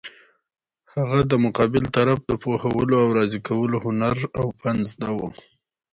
هغه د مقابل طرف د پوهولو او راضي کولو هنر او فن زده وو.